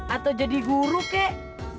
atau jadi guru kek